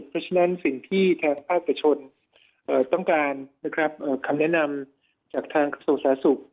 เพราะฉะนั้นสิ่งที่แทนภาคธุรกิจต้องการคำแนะนำจากทางส่วนสาธารณ์สุข